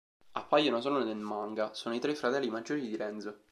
Appaiono solo nel manga, sono i tre fratelli maggiori di Renzo.